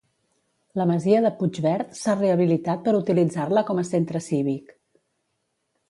La masia de Puigvert s'ha rehabilitat per utilitzar-la com a centre cívic.